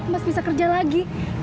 mas bisa kerja lagi